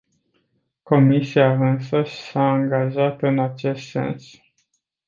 Comisia însăși s-a angajat în acest sens.